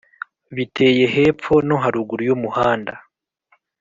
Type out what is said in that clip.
biteye hepfo no haruguru y’umuhanda.